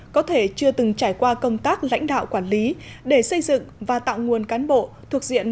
có thể chưa từng trải qua công tác lãnh đạo quản lý để xây dựng và tạo nguồn cán bộ thuộc diện